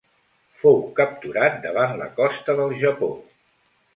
Fou capturat davant la costa del Japó.